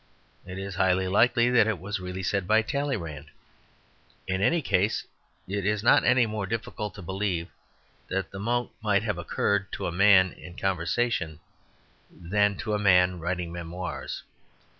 It is highly likely that it was really said by Talleyrand. In any case, it is not any more difficult to believe that the mot might have occurred to a man in conversation than to a man writing memoirs.